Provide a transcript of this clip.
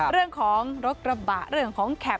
เรื่องของรถกระบะเรื่องของแคป